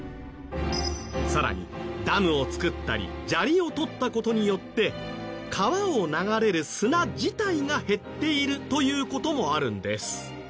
更にダムを造ったり砂利を取った事によって川を流れる砂自体が減っているという事もあるんです。